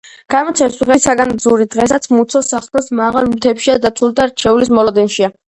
გადმოცემის მიხედვით, საგანძური დღესაც მუცოს ახლოს, მაღალ მთებშია დაცული და რჩეულის მოლოდინშია.